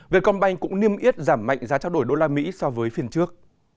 vietcombank cũng niêm yết giảm mạnh giá trao đổi usd so với phiên trước